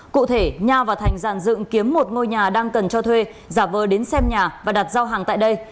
cụ thể nha và thành giàn dựng kiếm một ngôi nhà đang cần cho thuê giả vờ đến xem nhà và đặt giao hàng tại đây